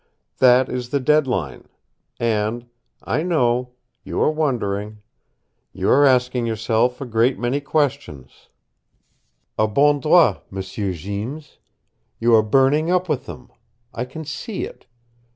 That is the dead line. And I know you are wondering. You are asking yourself a great many questions a bon droit, M'sieu Jeems. You are burning up with them. I can see it.